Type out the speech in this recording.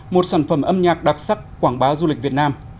một sản phẩm âm nhạc đặc sắc quảng bá du lịch việt nam